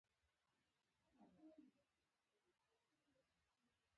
مخالفتونه له کرکې څخه تر انزجار پورې ورسېدل او زیات شول.